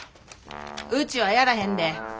うちはやらへんで。